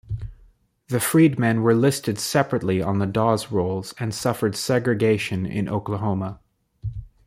The freedmen were listed separately on the Dawes Rolls and suffered segregation in Oklahoma.